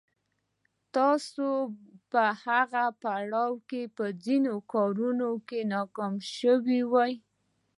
تاسې په هغه پړاو کې په ځينو کارونو ناکام شوي وئ.